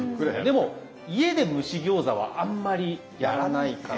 でも家で蒸し餃子はあんまりやらないかな。